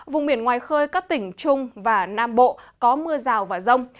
vùng biển ngoài khơi các tỉnh trung và nam bộ có mưa rào và rông